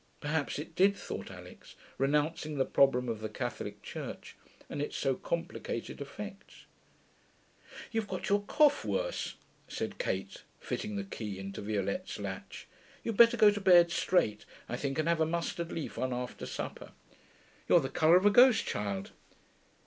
Perhaps it did, thought Alix, renouncing the problem of the Catholic church and its so complicated effects. 'You've got your cough worse,' said Kate, fitting the key into Violette's latch. 'You'd better go to bed straight, I think, and have a mustard leaf on after supper. You're the colour of a ghost, child.